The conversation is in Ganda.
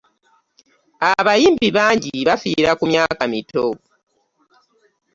Abayimbi bangi bafiira ku myaka mito.